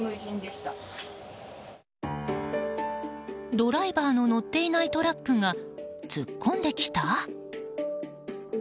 ドライバーの乗っていないトラックが突っ込んできた？